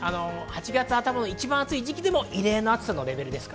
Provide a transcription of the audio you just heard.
８月頭の一番暑い時期でも異例な暑さのレベルです。